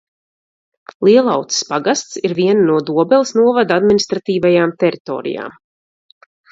Lielauces pagasts ir viena no Dobeles novada administratīvajām teritorijām.